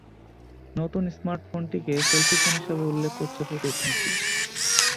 নতুন স্মার্টফোনটিকে selfie phone হিসেবে উল্লেখ করছে প্রতিষ্ঠানটি।